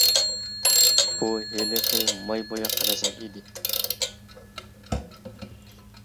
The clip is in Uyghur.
بۇ ھېلىقى ماي بوياق رەسىم ئىدى.